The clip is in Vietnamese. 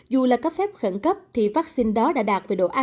dù là cấp phép khẩn cấp thì vaccine đó đã đạt về độ an